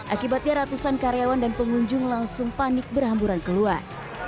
akibatnya ratusan karyawan dan pengunjung langsung panik berhamburan keluar